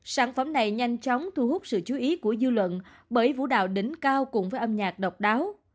sản phẩm này nhanh chóng thu hút sự chú ý của dư luận bởi vũ đạo đỉnh cao cùng với âm nhạc độc đáo